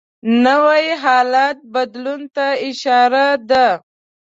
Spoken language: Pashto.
نوی حالت بدلون ته اشاره ده